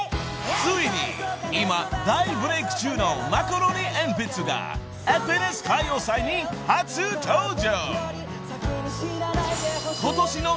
［ついに今大ブレーク中のマカロニえんぴつが『ＦＮＳ歌謡祭』に初登場］